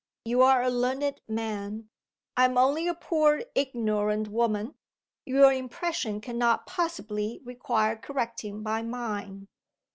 You are a learned man. I am only a poor ignorant woman. Your impression can not possibly require correcting by mine."